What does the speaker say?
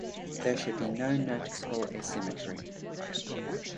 There should be no noticeable asymmetry.